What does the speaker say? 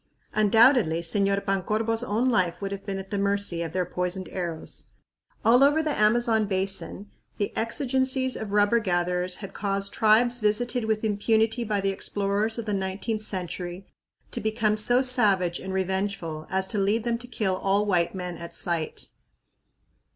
Undoubtedly, Señor Pancorbo's own life would have been at the mercy of their poisoned arrows. All over the Amazon Basin the exigencies of rubber gatherers had caused tribes visited with impunity by the explorers of the nineteenth century to become so savage and revengeful as to lead them to kill all white men at sight.